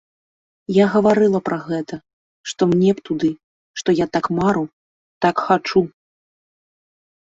Я гаварыла пра гэта, што мне б туды, што я так мару, так хачу.